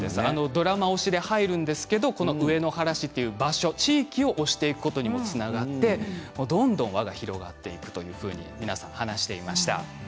ドラマ推しで入るんですけど上野原市という場所地域を推していくことにもつながってどんどん輪が広がっていくというふうに皆さん話していました。